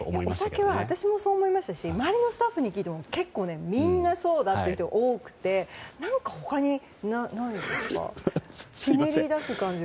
お酒は私もそう思いましたし周りのスタッフに聞いても結構、みんなそうだっていう人が多くて他に何かないですか？